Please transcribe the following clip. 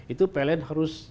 itu pln harus